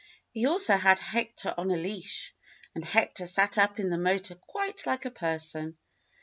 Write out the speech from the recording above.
He also had Hector on a leash, and Hector sat up in the motor quite like a person.